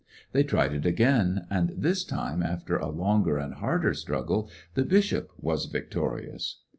They tried it again, and this time, after a longer and harder struggle, the bishop was victorious.